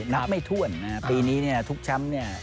นับไม่ทั่วนปีนี้ทุกแชมป์